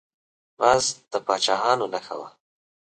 باز د پاچاهانو نښه وه